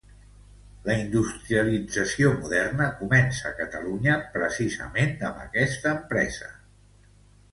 La industrialització moderna comença a Catalunya precisament amb esta empresa.